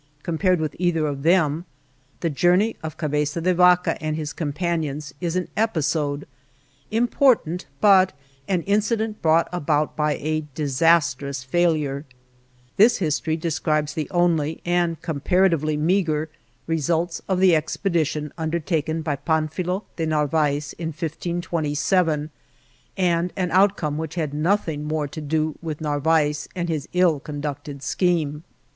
Compared with either of them, the journey of Cabeza de Vaca and his companions is an episode, important, but an incident brought about by a disastrous failure. This history describes the only and comparatively meagre results of the expedition under taken by Pamfilo de Narvaez in 1527, and an outcome which had nothing more to do with Narvaez and his ill conducted scheme.